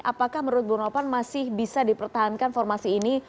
apakah menurut bu nopan masih bisa dipertahankan formasi ini